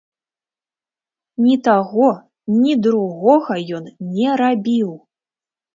Ні таго, ні другога ён не рабіў!